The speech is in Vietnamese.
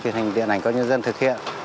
truyền hình điện ảnh công an nhân dân thực hiện